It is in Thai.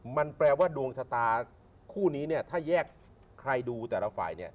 มันแปลว่าดวงชะตาคู่นี้เนี่ยถ้าแยกใครดูแต่ละฝ่ายเนี่ย